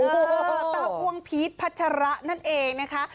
โอ้โหเต้าอ้วงพีชพัชระนั่นเองนะคะ